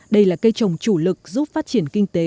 đây là cây trồng chủ lực giúp phát triển kinh tế